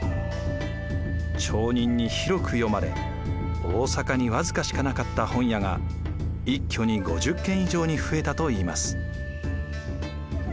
町人に広く読まれ大坂に僅かしかなかった本屋が一挙に５０軒以上に増えたといいます。